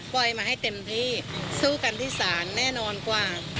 มาให้เต็มที่สู้กันที่ศาลแน่นอนกว่า